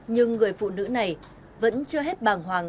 nhưng người phụ nữ này vẫn chưa hết bàng hoàng